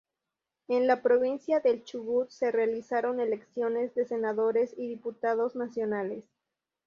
En la provincia del Chubut se realizaron elecciones de senadores y diputados nacionales.